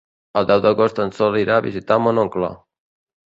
El deu d'agost en Sol irà a visitar mon oncle.